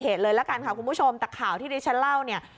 เหตุเลยละกันค่ะคุณผู้ชมแต่ข่าวที่ดิฉันเล่าเนี่ย